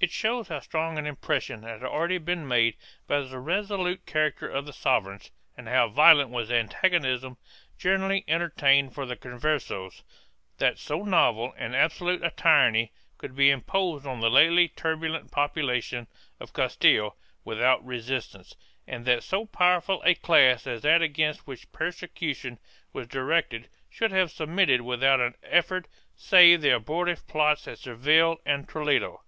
2 It shows how strong an impression had already been made by the resolute character of the sovereigns, and how violent was the antagonism generally entertained for the Conversos, that so novel and absolute a tyranny could be imposed on the lately turbulent population of Castile without resistance, and that so powerful a class as that against which persecution was directed should have submitted without an effort save the abortive plots at Seville and Toledo.